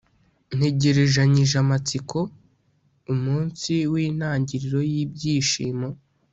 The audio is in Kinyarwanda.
ntegerejanyije amatsiko umunsi wintangiriro yibyishimo